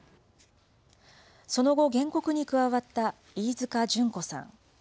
その後、原告に加わった飯塚淳子さん。